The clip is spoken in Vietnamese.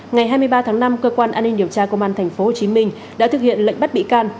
ngày hai mươi ba tháng năm cơ quan an ninh điều tra công an tp hcm đã thực hiện lệnh bắt bị can